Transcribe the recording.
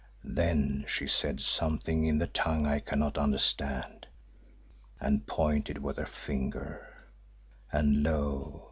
Then she said something in the tongue I cannot understand, and pointed with her finger, and lo!